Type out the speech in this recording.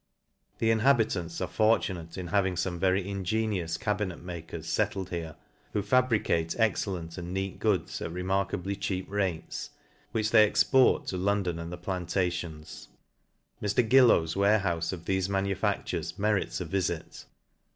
The inhabitants are fortunate in having fome very ingenious cabinet makers fettled here, who fabricate excellent and neat goods at re markably cheap rates, which they export to Londo? and the plantations. Mr. Gilkw's warehoufe o; thefe manufactures merits a vifit.